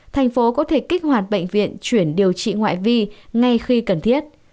thành phố có thể kích hoạt bệnh viện chuyển điều trị ngoại vi ngay khi cần thiết